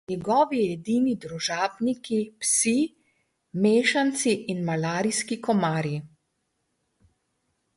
Njegovi edini družabniki, psi mešanci in malarijski komarji.